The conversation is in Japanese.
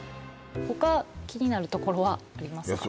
ほか気になるところはありますか？